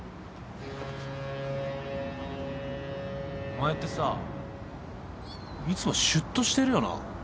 お前ってさいつもシュッとしてるよな。